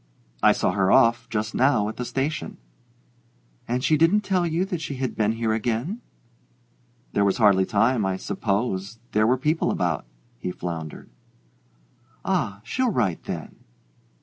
"I saw her off just now at the station." "And she didn't tell you that she had been here again?" "There was hardly time, I suppose there were people about " he floundered. "Ah, she'll write, then."